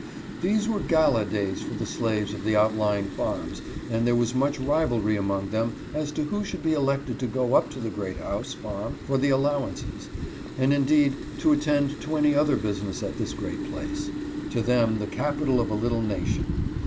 These were gala days for the slaves of the outlying farms, and there was much rivalry among them as to who should be elected to go up to the Great House farm for the " Allowances" and indeed to attend to any other business at this great place, to them the capital of a little nation.